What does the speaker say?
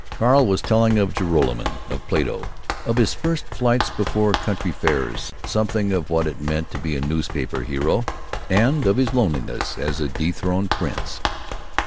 Carl was telling of Joralemon, of Plato, of his first flights before country fairs; something of what it meant to be a newspaper hero, and of his loneliness as a Dethroned Prince.